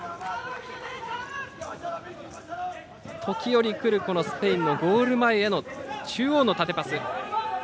時折くるスペインのゴール前への中央の縦パス。